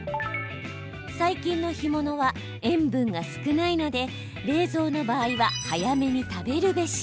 最近の干物は塩分が少ないので冷蔵の場合は早めに食べるべし！